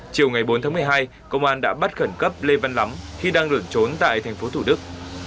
chiều ngày bốn tháng một mươi hai công an đã bắt khẩn cấp lê văn lắm khi đang lẩn trốn tại thành phố thủ đức